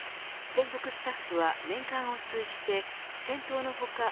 専属スタッフは年間を通じて店頭の他